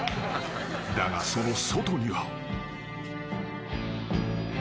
［だがその外には］